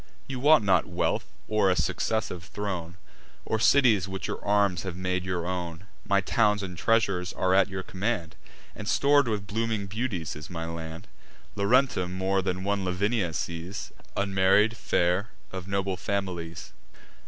You want not wealth, or a successive throne, Or cities which your arms have made your own: My towns and treasures are at your command, And stor'd with blooming beauties is my land; Laurentum more than one Lavinia sees, Unmarried, fair, of noble families.